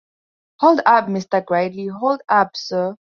Hold up, Mr. Gridley, hold up, sir!